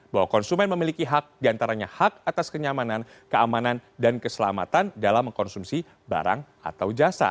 bahwa konsumen memiliki hak diantaranya hak atas kenyamanan keamanan dan keselamatan dalam mengkonsumsi barang atau jasa